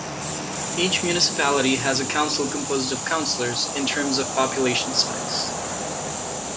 Each municipality has a council composed of councilors in terms of population size.